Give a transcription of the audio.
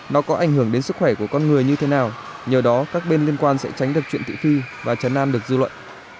nó có ảnh hưởng đến sức khỏe của con người như thế nào nhờ đó các bên liên quan sẽ tránh được chuyện tị phi và chấn an được dư luận